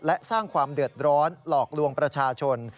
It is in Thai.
และสร้างความเดือดร้อนหลอกลวงประชาชน